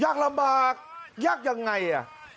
ยากลำบากยากยังไงอ่ะ